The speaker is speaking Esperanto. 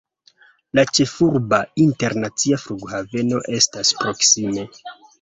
La ĉefurba internacia flughaveno estas proksime.